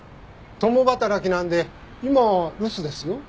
共働きなので今は留守ですよ。